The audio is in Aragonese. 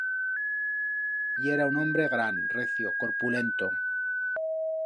Yera un hombre gran, recio, corpulento.